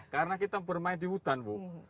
karena kita bermain di hutan bu